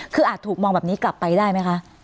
คืออาจถูกมองแบบนี้กลับไปได้ไหมคะ